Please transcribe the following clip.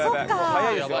早いですよ。